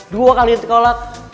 dua kali ditolak